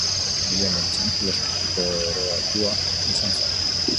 Hiria lortzean, Karlos koroatua izan zen.